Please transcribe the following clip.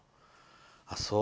ああ、そう。